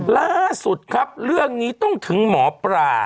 ล่าสุดครับเรื่องนี้ต้องถึงหมอปลา